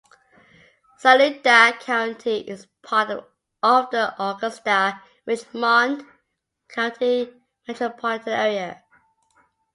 Saluda County is part of the Augusta-Richmond County Metropolitan Area.